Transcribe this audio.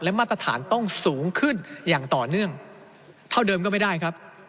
มาตรฐานต้องสูงขึ้นอย่างต่อเนื่องเท่าเดิมก็ไม่ได้ครับ